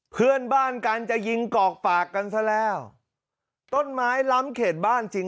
เพื่อนบ้านกันจะยิงกอกปากกันซะแล้วต้นไม้ล้ำเขตบ้านจริง